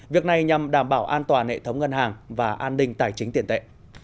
việc này nhằm đảm bảo an toàn hệ thống ngân hàng và an ninh tài chính tiền tệ